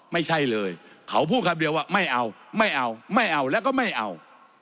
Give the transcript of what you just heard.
ไม่ใช่เลยเขาพูดคำเดียวว่าไม่เอาไม่เอาไม่เอาแล้วก็ไม่เอา